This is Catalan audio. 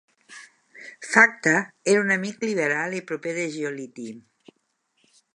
Facta era un amic liberal i proper de Giolitti.